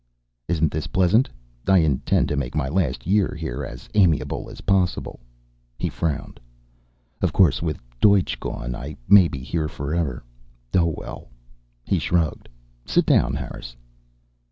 "Isn't this pleasant? I intend to make my last year here as amiable as possible." He frowned. "Of course, with Deutsch gone, I may be here forever. Oh, well." He shrugged. "Sit down, Harris."